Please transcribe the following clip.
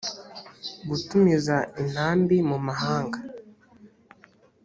gutumiza intambi mu mahanga